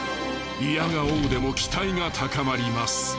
いやがおうでも期待が高まります。